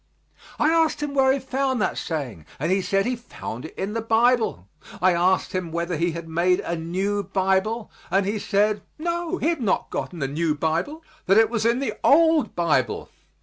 I asked him where he found that saying, and he said he found it in the Bible. I asked him whether he had made a new Bible, and he said, no, he had not gotten a new Bible, that it was in the old Bible.